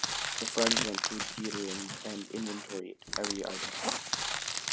The Friends went through the theatre and inventoried every item.